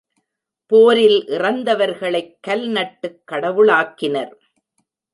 போரில் இறந்தவர்களைக் கல் நட்டுக் கடவுளாக்கினர்.